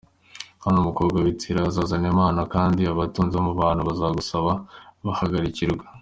Kandi umukobwa w’i Tiro azazana impano, Kandi abatunzi bo mu bantu bazagusaba kubahakirwa.